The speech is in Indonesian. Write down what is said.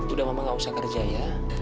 udah mama nggak usah kerja ya